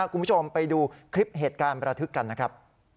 คุณผู้ชมไปดูคลิปเหตุการณ์ประทึกกันนะครับ